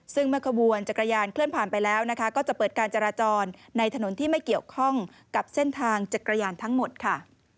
ซึ่งเมื่อขบวนจักรยานเคลื่อนผ่านไปแล้วนะคะก็จะเปิดการจราจรในถนนที่ไม่เกี่ยวข้องกับเส้นทางจักรยานทั้งหมดค่ะ